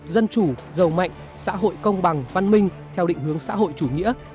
dân chủ giàu mạnh xã hội công bằng văn minh theo định hướng xã hội chủ nghĩa